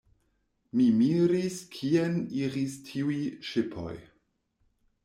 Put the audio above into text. Mi miris kien iris tiuj ŝipoj.